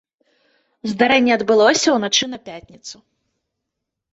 Здарэнне адбылося ўначы на пятніцу.